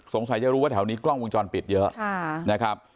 สงสัยจะรู้ว่าแถวนี้กล้องวงจรปิดเยอะนะครับ